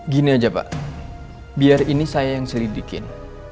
gini aja pak biar ini saya yang selidikin